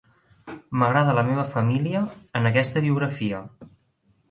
M'agrada la meva família en aquesta biografia.